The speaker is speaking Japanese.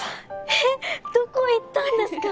えっどこ行ったんですか？